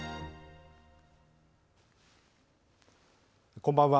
こんばんは。